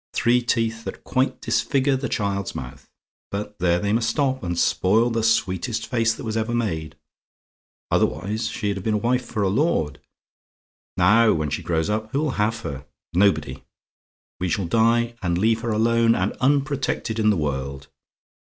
Three teeth that quite disfigure the child's mouth. But there they must stop, and spoil the sweetest face that was ever made. Otherwise, she'd have been a wife for a lord. Now, when she grows up, who'll have her? Nobody. We shall die, and leave her alone and unprotected in the world.